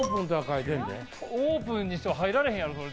オープンにしては入られへんやろ。